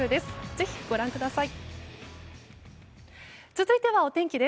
ぜひ、ご覧ください。